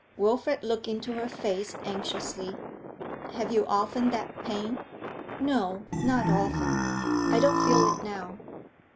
Wilfrid looked into her face anxiously. 'Have you often that pain?' 'No, not often. I don't feel it now.